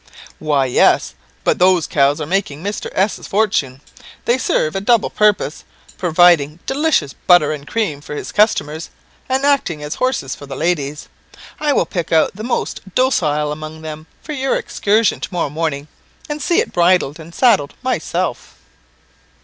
"Why, yes; but those cows are making Mr. 's fortune. They serve a double purpose, providing delicious butter and cream for his customers, and acting as horses for the ladies. I will pick out the most docile among them for your excursion to morrow morning, and see it bridled and saddled myself."